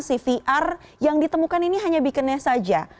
cvr yang ditemukan ini hanya bikinnya saja